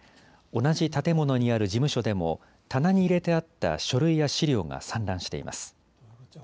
同じ建物にある事務所でも棚に入れてあった書類や資料が散乱しています。